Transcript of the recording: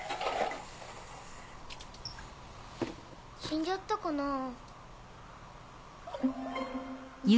死んじゃったかなぁ。